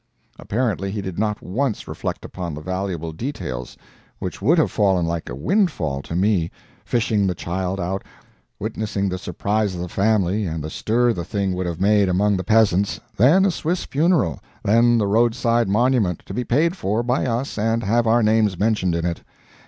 Apparently, he did not once reflect upon the valuable details which would have fallen like a windfall to me: fishing the child out witnessing the surprise of the family and the stir the thing would have made among the peasants then a Swiss funeral then the roadside monument, to be paid for by us and have our names mentioned in it.